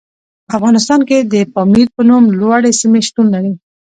په افغانستان کې د پامیر په نوم لوړې سیمې شتون لري.